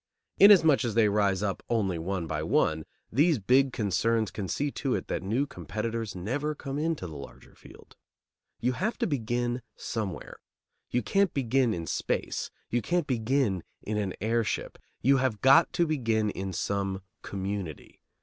Inasmuch as they rise up only one by one, these big concerns can see to it that new competitors never come into the larger field. You have to begin somewhere. You can't begin in space. You can't begin in an airship. You have got to begin in some community.